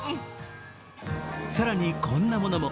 更にこんなものも。